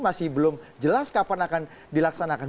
masih belum jelas kapan akan dilaksanakan